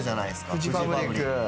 フジファブリック。